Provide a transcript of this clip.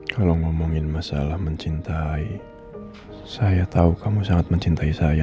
kalau ngomongin masalah mencintai saya tahu kamu sangat mencintai saya